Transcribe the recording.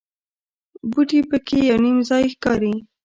بوټي په کې یو نیم ځای ښکاري.